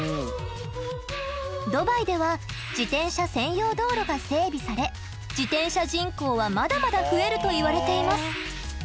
ドバイでは自転車専用道路が整備され自転車人口はまだまだ増えるといわれています。